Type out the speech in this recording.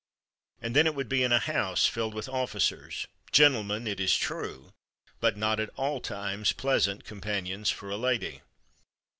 And then it would be in a house filled with officers, gentlemen, it is true, but not at all times pleasant companions for a lady.